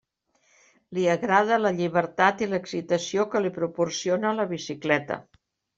Li agrada la llibertat i l'excitació que li proporciona la bicicleta.